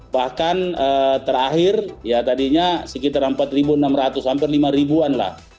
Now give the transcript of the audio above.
bahkan terakhir ya tadinya sekitar empat enam ratus hampir lima ribuan lah